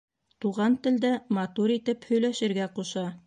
Туған телдә матур итеп һөйләшергә ҡуша.